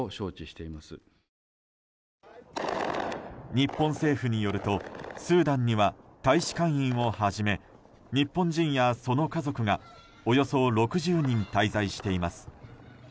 日本政府によるとスーダンには大使館員をはじめ日本人やその家族がおよそ６０人滞在しています。